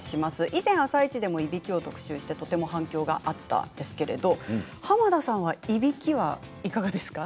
以前「あさイチ」でもいびきを特集してとても反響があったんですけれど濱田さんは、いびきはいかがですか。